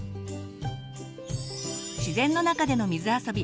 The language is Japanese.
自然の中での水あそび。